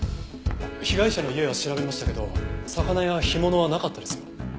被害者の家は調べましたけど魚や干物はなかったですよ。